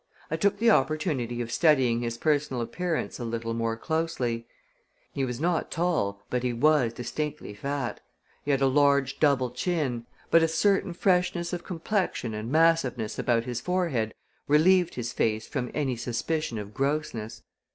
I took the opportunity of studying his personal appearance a little more closely. He was not tall, but he was distinctly fat. He had a large double chin, but a certain freshness of complexion and massiveness about his forehead relieved his face from any suspicion of grossness.